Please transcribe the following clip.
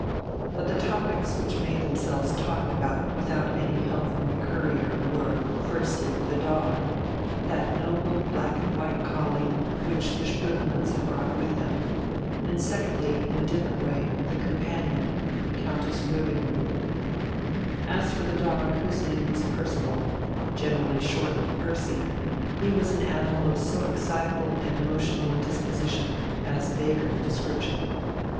But the topics which made themselves talked about without any help from the Courier were, firstly, the dog, that noble black and white collie which the Spoelmanns had brought with them, and secondly, in a different way, the companion, Countess Löwenjoul. As for the dog, whose name was Percival, generally shortened to Percy, he was an animal of so excitable and emotional a disposition as beggared description.